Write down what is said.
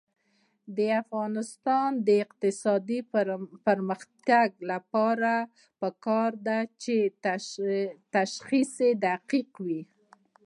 د افغانستان د اقتصادي پرمختګ لپاره پکار ده چې تشخیص دقیق وي.